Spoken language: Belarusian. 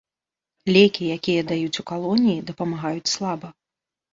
Лекі, якія даюць у калоніі, дапамагаюць слаба.